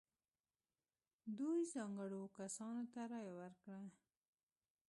دوی ځانګړو کسانو ته رایه ورکړه.